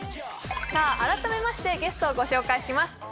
さあ改めましてゲストをご紹介します